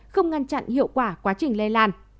không ngăn chặn hiệu quả quá trình lây lan